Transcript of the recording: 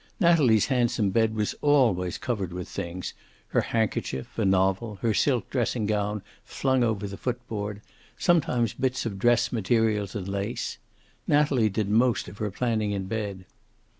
Natalie's handsome bed was always covered with things, her handkerchief, a novel, her silk dressing gown flung over the footboard, sometimes bits of dress materials and lace. Natalie did most of her planning in bed.